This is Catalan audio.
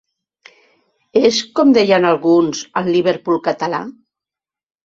És, com deien alguns, el ‘Liverpool Català’?